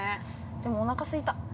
でも、おなかすいた。